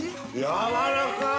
◆やわらかい！